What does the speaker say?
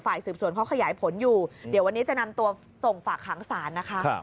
สืบสวนเขาขยายผลอยู่เดี๋ยววันนี้จะนำตัวส่งฝากหางศาลนะคะ